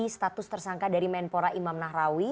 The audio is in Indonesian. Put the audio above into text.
status tersangka dari menpora imam nahrawi